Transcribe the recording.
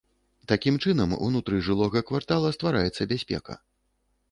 Такім чынам унутры жылога квартала ствараецца бяспека.